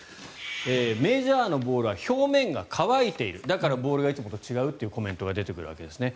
メジャーのボールは表面が乾いているだからボールがいつもと違うというコメントが出てくるわけですね。